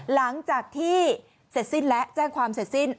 หลังจากที่เสร็จสิ้นและแจ้งความเสร็จสิ้น